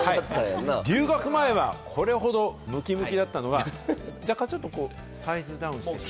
留学前はこれほどムキムキだったのが、サイズダウンしてしまう。